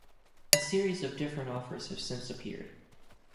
A series of different offers have since appeared.